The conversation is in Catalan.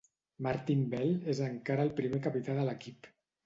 Martin Bell és encara el primer capità de l'equip.